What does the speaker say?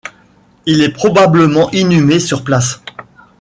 Il est probablement inhumé sur place.